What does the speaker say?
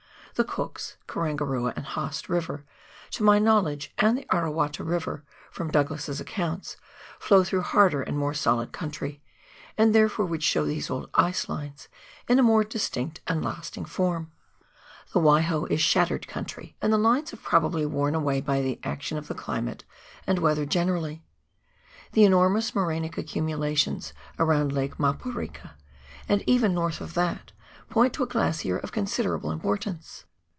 The Cook's, Karangarua and Haast River, to my knowledge, and the Arawata River from Douglas's accounts, flow through harder and more solid country, and therefore would show these old ice lines in a more distinct and lasting form. The "Waiho is shattered *" New Zealand Lands and Survey Report, 1893 94," p. 73. THE FRANZ JOSEF GLACIER. 171 country, and the lines have probably worn away by the action of the climate and weather generally. The enormous morainio accumulations around Lake Maporika, and even north of that, point to a glacier of considerable importance.